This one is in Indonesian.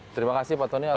terima kasih pak tony